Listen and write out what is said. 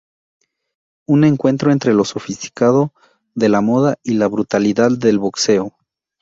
Un encuentro entre lo sofisticado de la moda y la brutalidad del boxeo.